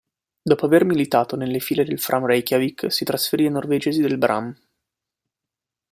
Dopo aver militato nelle file del Fram Reykjavík, si trasferì ai norvegesi del Brann.